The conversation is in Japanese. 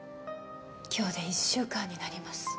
今日で１週間になります。